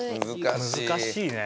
難しいね。